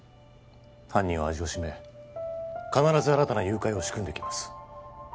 犯人は味をしめ必ず新たな誘拐を仕組んできます